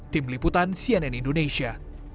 tim liputan cnn indonesia